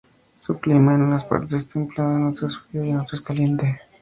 Su clima, es en unas partes templado, en otras frío y en otras caliente.